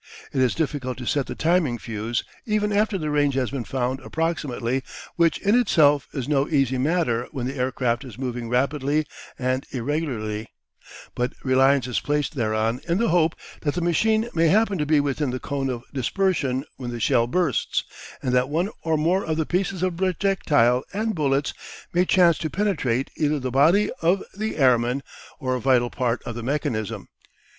It is difficult to set the timing fuse even after the range has been found approximately, which in itself is no easy matter when the aircraft is moving rapidly and irregularly, but reliance is placed thereon in the hope that the machine may happen to be within the cone of dispersion when the shell bursts, and that one or more of the pieces of projectile and bullets may chance to penetrate either the body of the airman or a vital part of the mechanism.